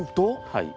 はい。